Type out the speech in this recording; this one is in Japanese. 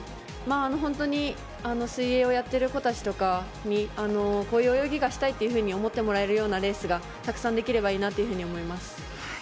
本当に水泳をやっている子たちとかにこういう泳ぎがしたいというふうに思ってもらえるレースがたくさんできればいいなと思います。